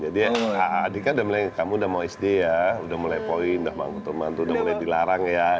jadi adik ada memang kamu namibd ya udah mulai poin indah menentu menurut hebat lagi larang ya